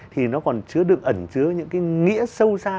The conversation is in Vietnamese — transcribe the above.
thì nó còn chứa được ẩn chứa những cái nghĩa sâu xa